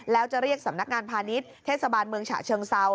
แล้วจะเรียกสำนักงานพาณิชย์เทศบาลเมืองฉะเชิงเซา